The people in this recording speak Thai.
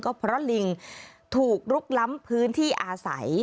ก็เพราะลิงถูกลุกล้ำพื้นที่อาศัย